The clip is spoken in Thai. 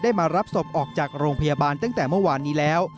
มารับศพออกจากโรงพยาบาลตั้งแต่เมื่อวานนี้แล้ว